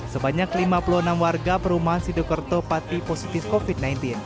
sebanyak lima puluh enam warga perumahan sidokerto pati positif covid sembilan belas